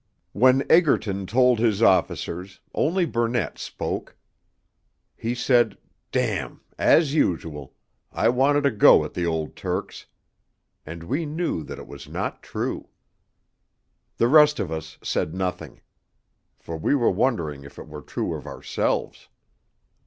When Egerton told his officers only Burnett spoke: he said 'Damn. As usual. I wanted a go at the old Turks': and we knew that it was not true. The rest of us said nothing, for we were wondering if it were true of ourselves.